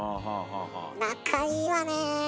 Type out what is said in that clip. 「仲いいわねえ